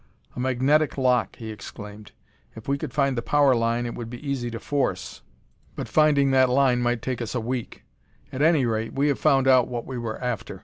"A magnetic lock," he exclaimed. "If we could find the power line it would be easy to force, but finding that line might take us a week. At any rate, we have found out what we were after.